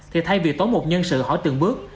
thì thay vì tốn một nhân sự hỏi từng bước